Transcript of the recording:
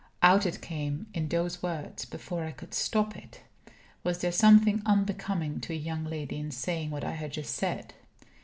Out it came in those words, before I could stop it. Was there something unbecoming to a young lady in saying what I had just said?